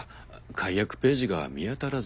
解約ページが見当たらず。